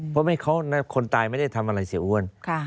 เพราะคนตายไม่ได้ทำอะไรเสียอ้วน